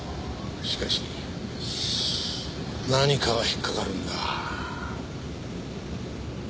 しかし何かが引っかかるんだ。